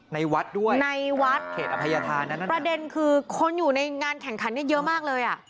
ในวัดด้วยในวัดเขตอภัยธานนั้นประเด็นคือคนอยู่ในงานแข่งขันเนี่ยเยอะมากเลยอ่ะ